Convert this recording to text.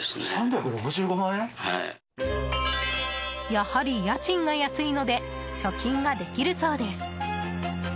やはり家賃が安いので貯金ができるそうです。